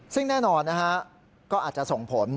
ซึ่งแน่นอนนะฮะก็อาจจะส่งผล